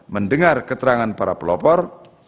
mendengar keterangan para pelopor